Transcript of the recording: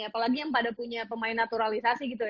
apalagi yang pada punya pemain naturalisasi gitu ya